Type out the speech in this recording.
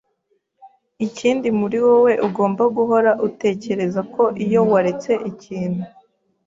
Ikindi muri wowe ugomba guhora utekereza ko iyo waretse ikintu